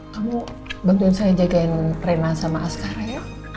kamu bantuin saya jagain prema sama askara ya